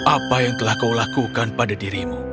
apa yang telah kau lakukan pada dirimu